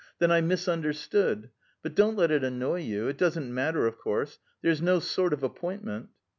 "Then I misunderstood. But don't let it annoy you. It doesn't matter, of course. There's no sort of appointment."